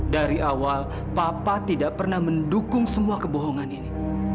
dari awal papa tidak pernah mendukung semua kebohongan ini